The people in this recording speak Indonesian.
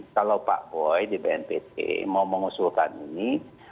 kalau pak boy di bnpt mau mengusulkan ini